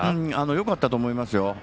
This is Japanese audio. よかったと思いますよ。